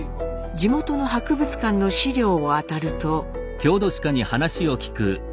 地元の博物館の資料をあたると。